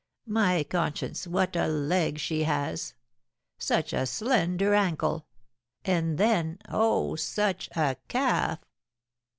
My conscience, what a leg she has! Such a slender ankle! and then, oh, such a calf!